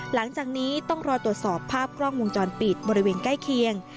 หลังจากนี้ต้องรอตรวจสอบภาพกล้องวงจรปิดบริเวณใกล้เคียง